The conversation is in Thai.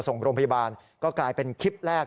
ส่งบริษัทก็กลายเป็นคลิปแรก